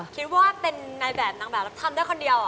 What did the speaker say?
คิดว่าเป็นนายแบบนางแบบแล้วทำได้คนเดียว